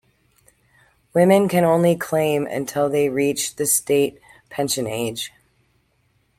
Women can only claim until they reach the State Pension age.